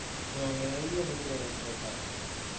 جامعهی روبه انحطاط